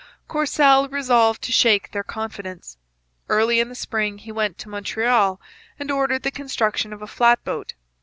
Courcelle resolved to shake their confidence. Early in the spring he went to Montreal and ordered the construction of a flat boat.